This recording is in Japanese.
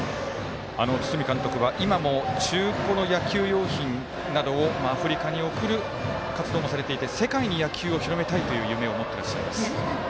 堤監督は今も野球用品などをアフリカに送る活動もされていて世界に野球を広めたいという夢を持っていらっしゃいます。